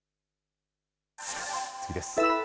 次です。